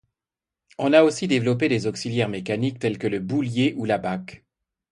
On a aussi développé des auxiliaires mécaniques tels que le boulier ou l'abaque.